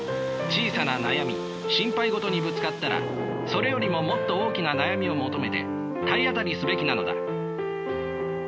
小さな悩み心配事にぶつかったらそれよりももっと大きな悩みを求めて体当たりすべきなのだ。